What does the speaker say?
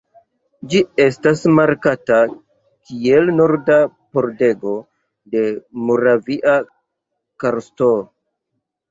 Ĝi estas markata kiel "Norda pordego de Moravia karsto".